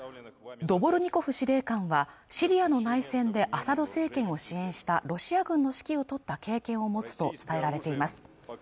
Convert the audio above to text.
ドボルニコフ司令官はシリアの内戦でアサド政権を支援したロシア軍の指揮を執った経験を持つと伝えられています